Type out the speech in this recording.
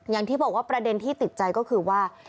อย่างที่บอกว่าประเด็นที่ติดใจก็คือว่า